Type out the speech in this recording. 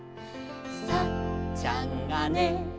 「サッちゃんがね」